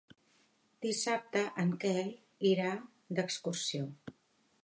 Dissabte en Quel irà d'excursió.